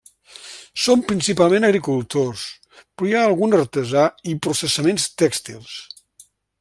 Són principalment agricultors, però hi ha algun artesà i processaments tèxtils.